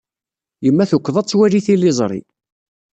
Yemma tukeḍ ad twali tiliẓri.